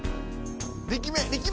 力め！